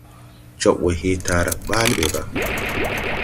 Cɔɓwɛ hee taarag ɓaale ɓɛ gà.